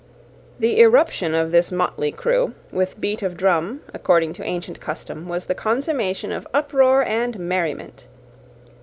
The irruption of this motley crew, with beat of drum, according to ancient custom, was the consummation of uproar and merriment.